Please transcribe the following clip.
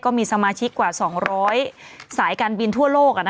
มีสมาชิกกว่า๒๐๐สายการบินทั่วโลก